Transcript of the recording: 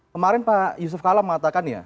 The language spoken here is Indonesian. kemarin pak yusuf kala mengatakan ya